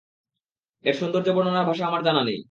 এর সৌন্দর্য বর্ণনার ভাষা আমার জানা নেই।